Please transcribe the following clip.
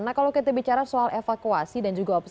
nah kalau kita bicara soal evakuasi dan juga observasi